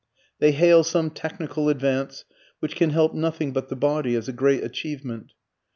They hail some technical advance, which can help nothing but the body, as a great achievement.